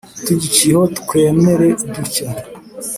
tugiciyeho twamera dutya, “